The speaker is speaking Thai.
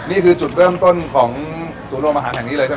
นี่คือจุดเริ่มต้นของโซโลมหาวแห่งนี้เลยใช่ไหมครับ